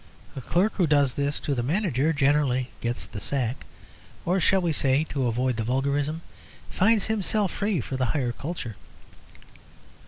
The clerk who does this to the manager generally gets the sack, or shall we say (to avoid the vulgarism), finds himself free for higher culture.